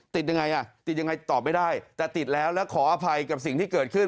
ติดยังไงอ่ะติดยังไงตอบไม่ได้แต่ติดแล้วแล้วขออภัยกับสิ่งที่เกิดขึ้น